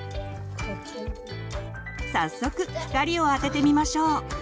早速光を当ててみましょう。